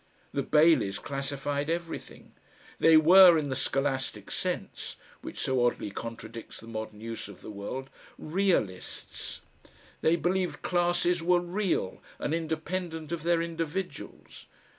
The Baileys classified everything. They were, in the scholastic sense which so oddly contradicts the modern use of the word "Realists." They believed classes were REAL and independent of their individuals.